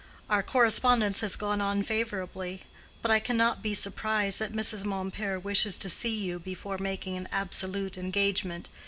Our correspondence has gone on favorably; but I cannot be surprised that Mrs. Mompert wishes to see you before making an absolute engagement.